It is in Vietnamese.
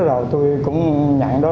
rồi tôi cũng nhận đó